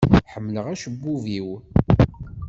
Ḥemmleɣ acebbub-iw.